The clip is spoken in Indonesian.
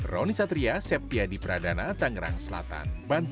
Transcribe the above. roni satria septiadi pradana tangerang selatan banten